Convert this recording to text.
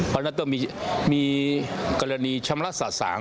เพราะฉะนั้นต้องมีกรณีชำระสะสาง